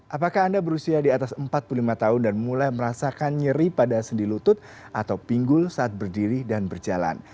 apakah anda berusia di atas empat puluh lima tahun dan mulai merasakan nyeri pada sendi lutut atau pinggul saat berdiri dan berjalan